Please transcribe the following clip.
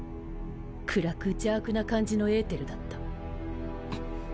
暗く邪悪な感じのエーテルだった。